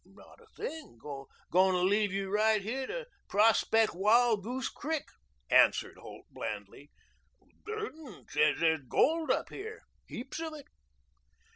"Not a thing going to leave you right here to prospect Wild Goose Creek," answered Holt blandly. "Durden says there's gold up here heaps of it."